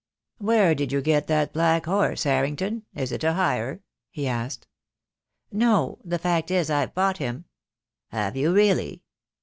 "Where did you get that black horse, Harrington? Is it a hire?" he asked. "No. The fact is I've bought him." "Have you really?